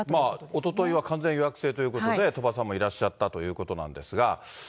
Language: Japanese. おとといは完全予約制ということで、鳥羽さんもいらっしゃったということなんですが。